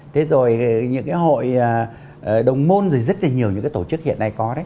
thế rồi những hội đồng môn rất nhiều những tổ chức hiện nay có